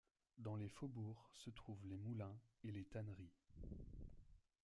Dans les faubourgs se trouvent les moulins et les tanneries.